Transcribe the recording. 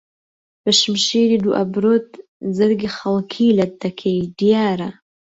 بەشمشیری دوو ئەبرۆت جەرگی خەڵکی لەت دەکەی دیارە